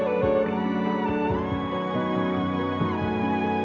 dari yakin ku teguh